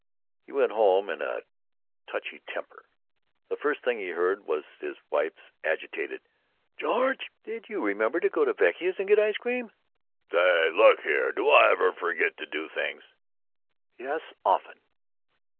He went home in a touchy temper. The first thing he heard was his wife's agitated: "George! Did you remember to go to Vecchia's and get the ice cream?" "Say! Look here! Do I ever forget to do things?" "Yes! Often!"